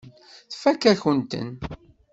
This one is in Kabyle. Tfakk-akent-ten.